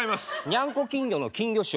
にゃん子・金魚の金魚師匠。